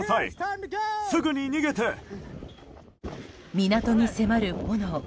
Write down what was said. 港に迫る炎。